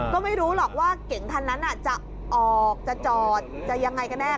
ก็ไม่รู้หรอกว่าเก่งคันนั้นจะออกจะจอดจะยังไงกันแน่